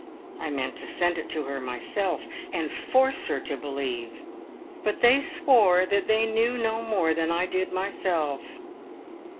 I meant to send it to her myself, and force her to believe. But they swore that they knew no more than I did myself.